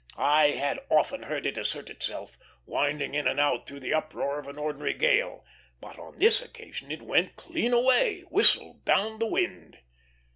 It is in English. I had often heard it assert itself, winding in and out through the uproar of an ordinary gale, but on this occasion it went clean away whistled down the wind.